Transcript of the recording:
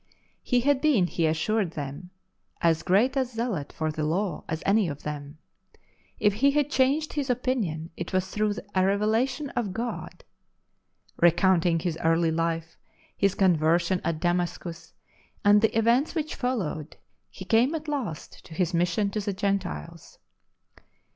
He had been, he assured them, as great a zealot for tire Law as any of them; if he had changed his opinion, it was through a revelation from God. Recounting his early life, his conversion at Damascus, and the events which followed, he came at last to his mission to the Gentiles.